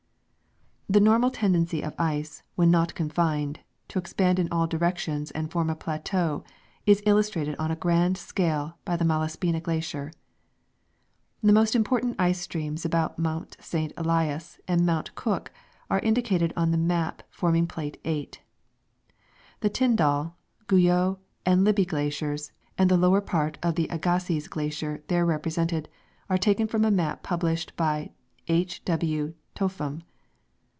* The normal tendency of ice, when not confined, to expand in all directions and form a plateau is illustrated on a grand scale by the Malaspina glacier. The most important ice streams about Mount St. Elias and Mount Cook are indicated on the map forming jDlate 8. The Tindall, Guyot, and Libbey glaciers and the lower jDart of the Agassiz glacier there represented are taken from a map pul) lished by H. W. Topham.